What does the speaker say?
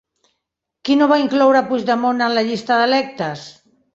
Qui no va incloure a Puigdemont en la llista d'electes?